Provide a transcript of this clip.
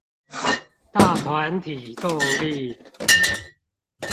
大團體動力